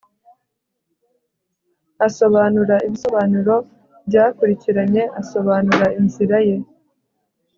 asobanura ibisobanuro byakurikiranye, asobanura inzira ye